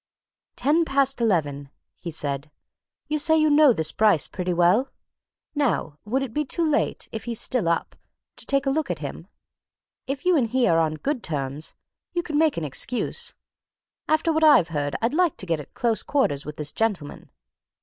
"Ten past eleven," he said. "You say you know this Bryce pretty well? Now, would it be too late if he's up still to take a look at him! If you and he are on good terms, you could make an excuse. After what I've heard, I'd like to get at close quarters with this gentleman."